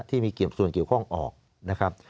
ที่มีส่วนเกี่ยวข้องออกนะครับ